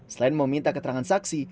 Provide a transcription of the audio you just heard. selain meminta keterangan saksi